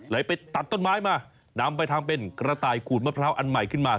ไปตัดต้นไม้มานำไปทำเป็นกระต่ายขูดมะพร้าวอันใหม่ขึ้นมา